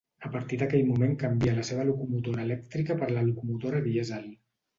A partir d'aquell moment canvia la seva locomotora elèctrica per la locomotora dièsel.